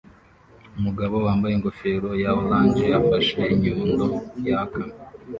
Umugabo wambaye ingofero ya orange afashe inyundo yaka